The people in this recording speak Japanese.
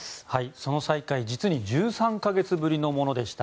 その再開実に１３か月ぶりのものでした。